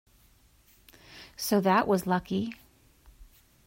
So that was lucky.